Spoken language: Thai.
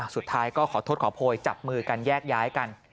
สุดท้ายก็ขอโทษขอโพยจับมือกันแยกย้ายกัน